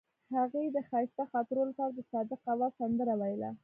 هغې د ښایسته خاطرو لپاره د صادق اواز سندره ویله.